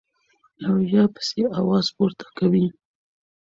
او يا پسې اواز پورته کوي -